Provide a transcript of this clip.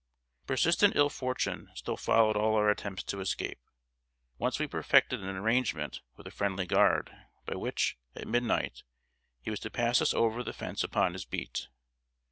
] Persistent ill fortune still followed all our attempts to escape. Once we perfected an arrangement with a friendly guard, by which, at midnight, he was to pass us over the fence upon his beat.